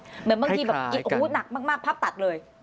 เหมือนบางทีแบบโอ้โหหนักมากพับตัดเลย